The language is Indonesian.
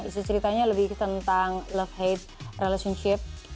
isu ceritanya lebih tentang love hate relationship